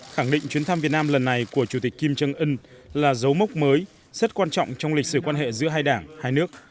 khẳng định chuyến thăm việt nam lần này của chủ tịch kim trân ưn là dấu mốc mới rất quan trọng trong lịch sử quan hệ giữa hai đảng hai nước